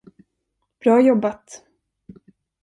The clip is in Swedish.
Bra jobbat!